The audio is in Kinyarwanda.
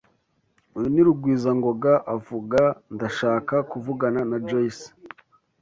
Uyu ni Rugwizangoga avuga. Ndashaka kuvugana na Joyce.